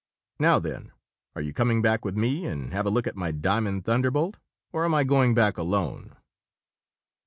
"Now, then, are you coming back with me and have a look at my Diamond Thunderbolt, or am I going back alone?"